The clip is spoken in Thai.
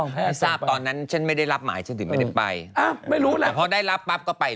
เค้ารักกันไงรีน่าจังกับโพสต์อานนท์เรารักกันไหม